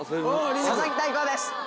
佐々木大光です。